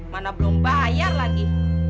mana belum bayar lagi